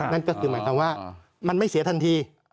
นั่นก็คือหมายความว่ามันไม่เสียทันที